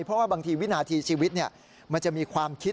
เพราะว่าบางทีวินาทีชีวิตมันจะมีความคิด